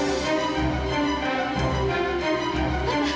udah tidak ada tante di sini